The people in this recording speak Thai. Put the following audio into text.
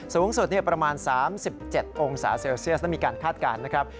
สูงสุดประมาณ๓๗องศาเซลเซียสนั่นมีการคาดการณ์นะครับ